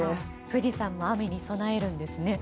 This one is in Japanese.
富士山も雨に備えるんですね。